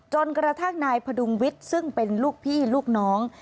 จนกระทั่งนายพดุงวิทย์ซึ่งเป็นลูกพี่ลูกน้อง